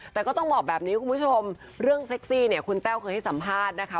แต่ก็ต้องบอกแบบนี้คุณผู้ชมเรื่องเซ็กซี่เนี่ยคุณแต้วเคยให้สัมภาษณ์นะคะ